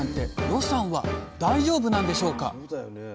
予算は大丈夫なんでしょうか？